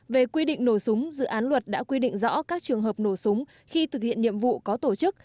về quy định nổ súng dự án luật đã quy định rõ các trường hợp nổ súng khi thực hiện nhiệm vụ có tổ chức